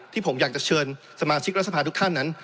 ที่ผมอยากจะเชิญสมาชิกรัฐสภาทุกท่านนั้น